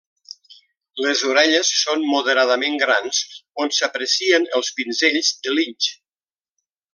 Les orelles són moderadament grans on s'aprecien els pinzells de linx.